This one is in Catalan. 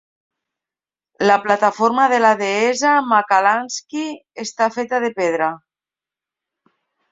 La plataforma de la Deessa Mahalakshmi està feta de pedra.